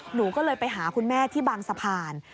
หนูก็เลยไปหาคุณแม่ที่บางสะพาน